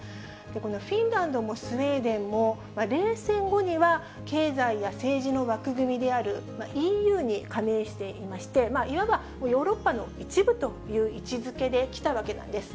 このフィンランドもスウェーデンも、冷戦後には経済や政治の枠組みであるＥＵに加盟していまして、いわばヨーロッパの一部という位置づけできたわけなんです。